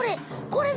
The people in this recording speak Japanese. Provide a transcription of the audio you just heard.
これ！